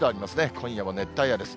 今夜も熱帯夜です。